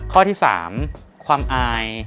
ข้อที่๓ความอาย